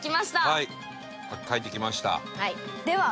はい書いてきました。